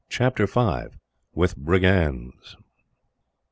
Chapter 5: With Brigands.